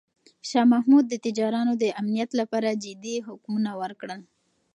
شاه محمود د تجارانو د امنیت لپاره جدي حکمونه ورکړل.